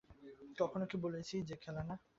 কখনো কি বলেছি যে, খেলা না?